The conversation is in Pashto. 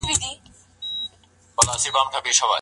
ايا ښځه په خپله شتمنۍ کي د تصرف حق لري؟